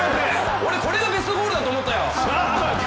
俺、これがベストゴールだと思ったよ！